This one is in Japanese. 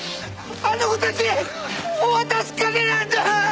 あの子たちに渡す金なんだ！